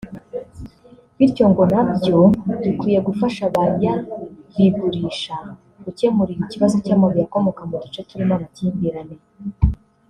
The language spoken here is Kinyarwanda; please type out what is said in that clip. bityo ngo nabyo bikwiye gufasha abayabigurisha gukemurira ikibazo cy’amabuye akomoka mu duce turimo amakimbirane